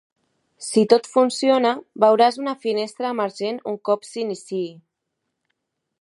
Si tot funciona, veuràs una finestra emergent un cop s'iniciï.